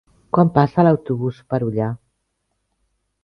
Quan passa l'autobús per Ullà?